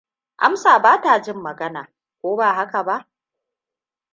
Amsa ba ta jin magana, ko ba haka ba?